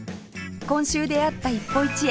今週出会った一歩一会